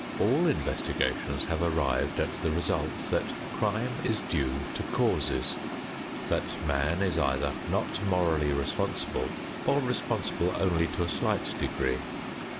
All investigations have arrived at the result that crime is due to causes; that man is either not morally responsible, or responsible only to a slight degree.